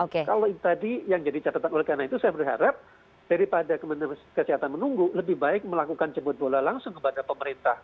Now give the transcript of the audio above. kalau tadi yang jadi catatan oleh karena itu saya berharap daripada kementerian kesehatan menunggu lebih baik melakukan jemput bola langsung kepada pemerintah